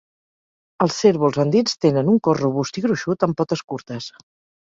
Els cérvols andins tenen un cos robust i gruixut, amb potes curtes.